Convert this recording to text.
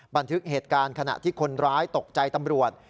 บันทึกเหตุการณ์ขณะที่คนร้ายตกใจตำรวจ